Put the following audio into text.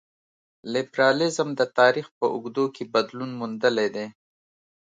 لېبرالیزم د تاریخ په اوږدو کې بدلون موندلی دی.